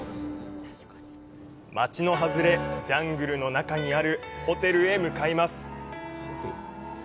街の外れ、ジャングルの中にあるホテルへ向かいます。